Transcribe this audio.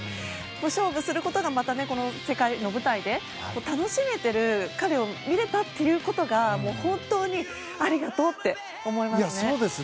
勝負することがまた世界の舞台で楽しめている彼を見れたということが本当にありがとうって思います。